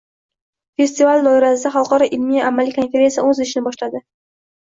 Festivali doirasida xalqaro ilmiy-amaliy konferensiya oʻz ishini boshladi.